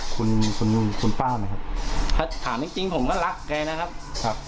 คุณคุณป้าไหมครับถ้าถามจริงจริงผมก็รักแกนะครับครับ